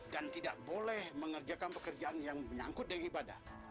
dan tidak boleh mengerjakan pekerjaan yang menyangkut dengan ibadah